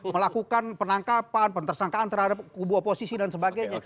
melakukan penangkapan pentersangkaan terhadap kubu oposisi dan sebagainya